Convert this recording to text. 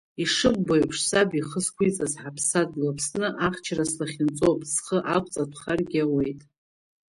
Ишыббо еиԥш, саб ихы зқәиҵаз ҳаԥсадгьыл Аԥсны ахьчара слахьынҵоуп, схы ақәҵатәхаргьы ауеит.